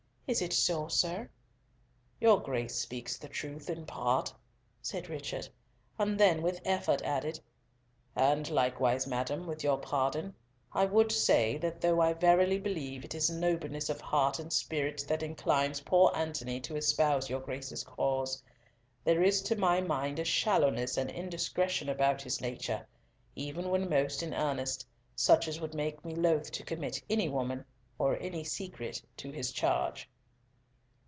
Is it so, sir?" "Your Grace speaks the truth in part," said Richard, and then with effort added, "and likewise, madam, with your pardon, I would say that though I verily believe it is nobleness of heart and spirit that inclines poor Antony to espouse your Grace's cause, there is to my mind a shallowness and indiscretion about his nature, even when most in earnest, such as would make me loath to commit any woman, or any secret, to his charge."